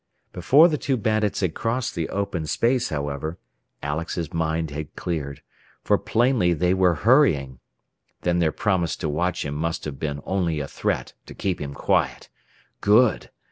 Before the two bandits had crossed the open space, however, Alex's mind had cleared. For plainly they were hurrying! Then their promise to watch him must have been only a threat, to keep him quiet! Good!